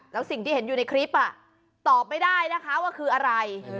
แล้วสิ่งที่เห็นอยู่ในคลิปตอบไม่ได้นะคะว่าคืออะไร